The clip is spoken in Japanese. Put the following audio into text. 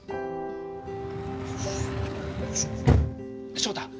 翔太！